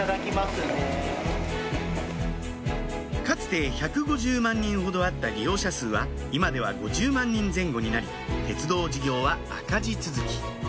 かつて１５０万人ほどあった利用者数は今では５０万人前後になり鉄道事業は赤字続き